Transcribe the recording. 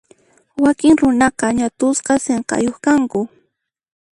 Wakin runaqa ñat'usqa sinqayuq kanku.